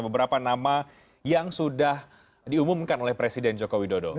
beberapa nama yang sudah diumumkan oleh presiden joko widodo